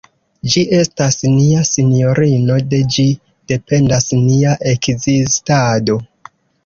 Ĝi estas nia sinjorino, de ĝi dependas nia ekzistado.